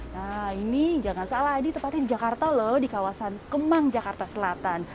nah ini jangan salah ini tepatnya di jakarta loh di kawasan kemang jakarta selatan